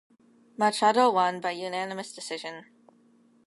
Machado won by unanimous decision.